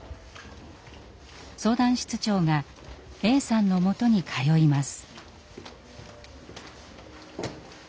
相談室長がＡさんのもとに通います。